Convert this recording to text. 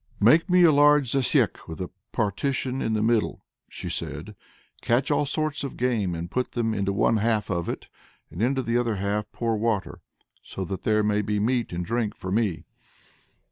"Make me a large zasyek with a partition in the middle," she said; "catch all sorts of game, and put them into one half of it, and into the other half pour water; so that there may be meat and drink for me."